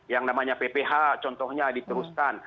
yang namanya pph contohnya diteruskan